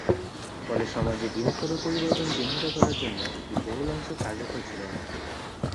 ফলে সমাজে বৃহত্তর পরিবর্তন চিহ্নিত করার জন্য এটি বহুলাংশে কার্যকর ছিল না।